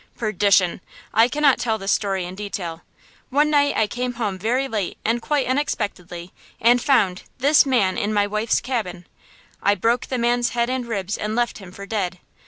Perdition! I cannot tell this story in detail! One night I came home very late and quite unexpectedly and found–this man in my wife's cabin! I broke the man's head and ribs and left him for dead.